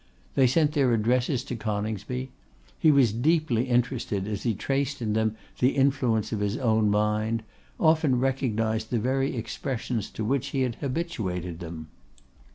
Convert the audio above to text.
They sent their addresses to Coningsby. He was deeply interested as he traced in them the influence of his own mind; often recognised the very expressions to which he had habituated them.